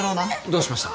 どうしました？